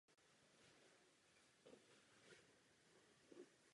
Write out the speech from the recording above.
Na turnaji nastoupil do obou českých zápasů.